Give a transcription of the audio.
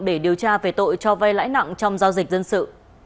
để điều tra về tội cho vay lãi nặng trong giao dịch dân sự